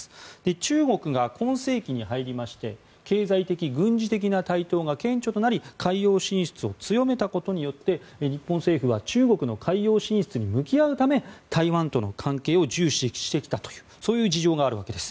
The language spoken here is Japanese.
中国が今世紀に入りまして経済的・軍事的な台頭が顕著となり海洋進出を強めたことによって日本政府は中国の海洋進出に向き合うため台湾との関係を重視してきたという事情があるわけです。